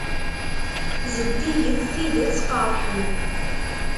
Zeddiget tidet qeṛṛḥen.